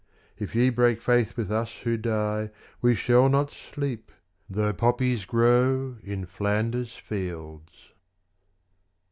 If ye break faith with us who die We shall not sleep, though poppies grow In Flanders fields.